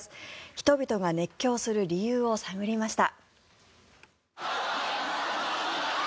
人々が熱狂する理由を探りました。